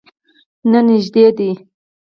نه، نژدې دی